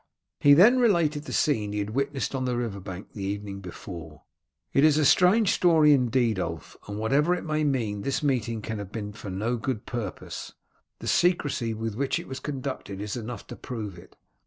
He then related the scene he had witnessed on the river bank the evening before. "It is a strange story indeed, Ulf, and whatever it may mean, this meeting can have been for no good purpose. The secrecy with which it was conducted is enough to prove it.